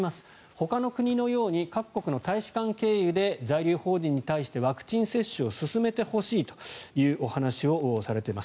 ほかの国のように各国の大使館経由で在留邦人に対してワクチン接種を進めてほしいというお話をされています。